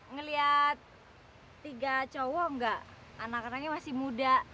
ngeliat tiga cowok gak anak anaknya masih muda